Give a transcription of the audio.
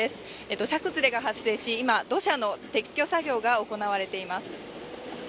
土砂崩れが発生し、今、土砂の撤去作業が行われています。